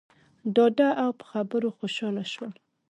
ډاډه او په خبرو خوشحاله شول.